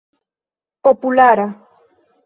populara